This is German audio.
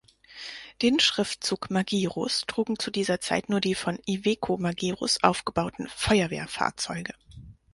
Den Schriftzug Magirus trugen zu dieser Zeit nur die von Iveco Magirus aufgebauten Feuerwehrfahrzeuge.